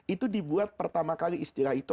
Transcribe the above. itu dibuat pertama kali istilah itu